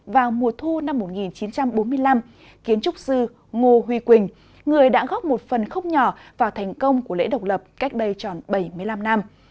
vào mùa thu năm một nghìn chín trăm bốn mươi năm kiến trúc sư ngô huy quỳnh người đã góp một phần không nhỏ vào thành công của lễ độc lập cách đây tròn bảy mươi năm năm